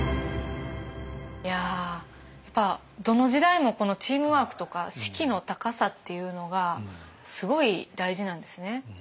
いややっぱどの時代もこのチームワークとか士気の高さっていうのがすごい大事なんですね。